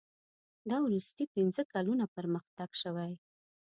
دا وروستي پنځه کلونه پرمختګ شوی.